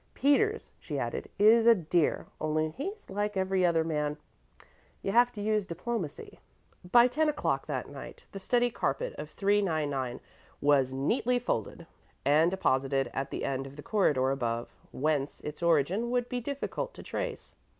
Peters," she added, "is a dear; only he's like every other man you have to use diplomacy." By ten o'clock that night the study carpet of 399 was neatly folded and deposited at the end of the corridor above, whence its origin would be difficult to trace.